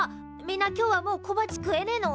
みんな今日はもう小鉢食えねえの！？